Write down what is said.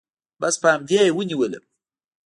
بس په همدې يې ونيولم.